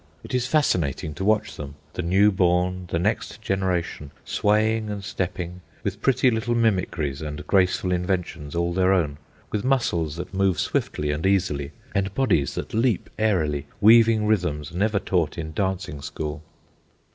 It is fascinating to watch them, the new born, the next generation, swaying and stepping, with pretty little mimicries and graceful inventions all their own, with muscles that move swiftly and easily, and bodies that leap airily, weaving rhythms never taught in dancing school.